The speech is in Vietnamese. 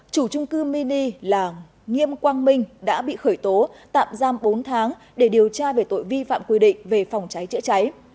chủ trung cư mini là nghiêm quang minh đã bị khởi tố tạm giam bốn tháng để điều tra về tội vi phạm quy định về phòng cháy chữa cháy